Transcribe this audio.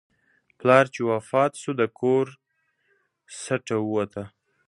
پلار چې وفات شو، د کور سټه ووته.